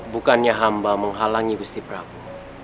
bukannya hamba menghalangi gusti prabu